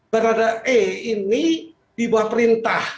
barada e ini dibuat perintah